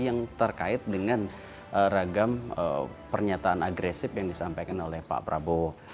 yang terkait dengan ragam pernyataan agresif yang disampaikan oleh pak prabowo